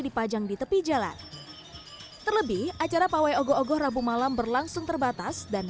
dipajang di tepi jalan terlebih acara pawey ogol ogol rabu malam berlangsung terbatas dan